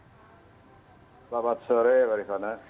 selamat sore pak rizana